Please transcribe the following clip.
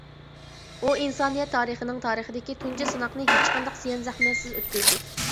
ئۇ ئىنسانىيەت تارىخىنىڭ تارىخىدىكى تۇنجى سىناقنى ھېچقانداق زىيان-زەخمەتسىز ئۆتكۈزدى.